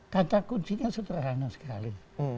tata kuncinya sederhana sekali